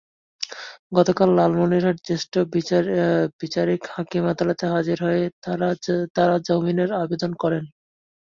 গতকাল লালমনিরহাট জ্যেষ্ঠ বিচারিক হাকিম আদালতে হাজির হয়ে তাঁরা জামিনের আবেদন করেন।